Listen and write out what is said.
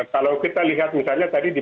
kalau kita lihat misalnya tadi di